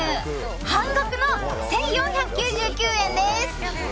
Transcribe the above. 半額の１４９９円です。